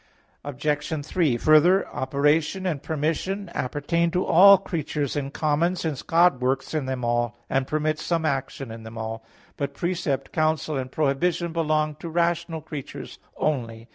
Obj. 3: Further, operation and permission appertain to all creatures in common, since God works in them all, and permits some action in them all. But precept, counsel, and prohibition belong to rational creatures only.